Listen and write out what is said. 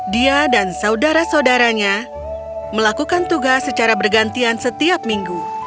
dia dan saudara saudaranya melakukan tugas secara bergantian setiap minggu